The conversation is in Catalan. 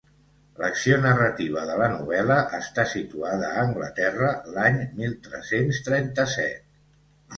L'acció narrativa de la novel·la està situada a Anglaterra l'any mil tres-cents trenta-set.